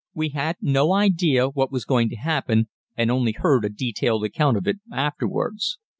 We had no idea what was going to happen, and only heard a detailed account of it afterwards.